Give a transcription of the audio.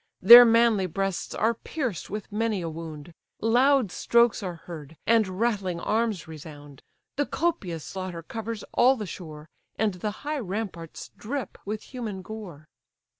Their manly breasts are pierced with many a wound, Loud strokes are heard, and rattling arms resound; The copious slaughter covers all the shore, And the high ramparts drip with human gore.